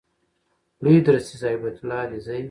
لوی درستیز هیبت الله علیزی